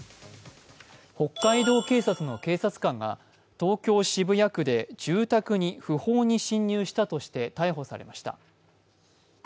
北海道警察の警察官が東京・渋谷区で住宅に不法に侵入したとして逮捕されました。